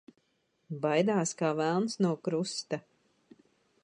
Baidās kā velns no krusta.